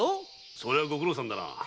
それはご苦労さんだなあ。